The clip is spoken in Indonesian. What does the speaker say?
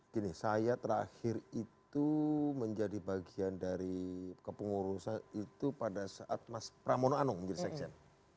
gini saya terakhir itu menjadi bagian dari kepengurusan itu pada saat mas pramono anung menjadi sekjen